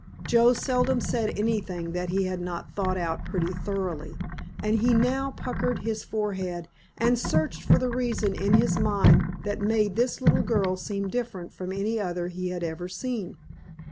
Joe seldom said anything that he had not thought out pretty thoroughly, and he now puckered his forehead and searched for the reason in his mind that made this little girl seem different from any other he had ever seen.